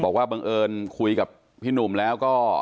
บังเอิญคุยกับพี่หนุ่มแล้วก็